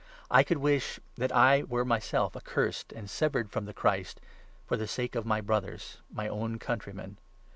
I could wish that 3 I were myself accursed and severed from the Christ, for the sake of my Brothers— my own countrymen.